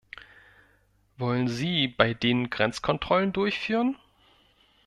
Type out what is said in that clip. Wollen Sie bei denen Grenzkontrollen durchführen?